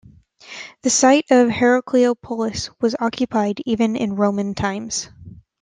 The site of Herakleopolis was occupied even into Roman times.